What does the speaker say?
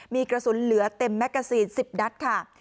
มีกระสุนเหลือเต็มแมกกาซีน๑๐นัดค่ะ